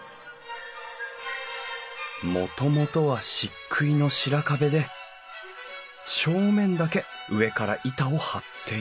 もともとは漆喰の白壁で正面だけ上から板を張っている。